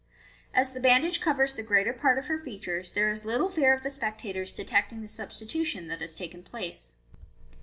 As the bandage covers the greater part of her features, there is little fear of the spectators detecting the substitution that has taken place.